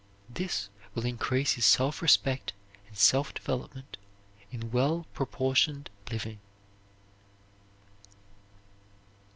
This will increase his self respect and self development in well proportioned living.